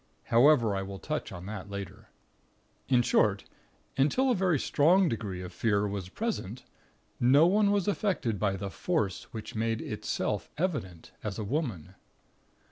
However, I will touch on that later. In short, until a very strong degree of fear was present, no one was affected by the Force which made Itself evident, as a Woman.